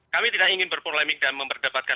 kami tidak ingin berpolemik dan memperdebatkan